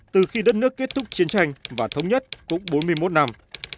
từ khi đất nước kết thúc chiến tranh và thống nhất cũng bốn mươi một năm